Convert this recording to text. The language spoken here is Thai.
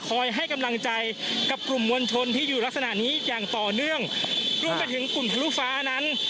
ให้กำลังใจกับกลุ่มมวลชนที่อยู่ลักษณะนี้อย่างต่อเนื่องรวมไปถึงกลุ่มทะลุฟ้านั้น